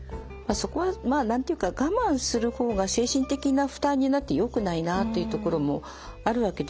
そこは何て言うか我慢する方が精神的な負担になってよくないなっていうところもあるわけですよね。